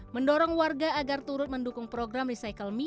mendorong warga agar turut mendukung program recycle me